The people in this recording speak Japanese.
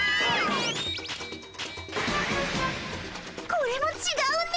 これもちがうね。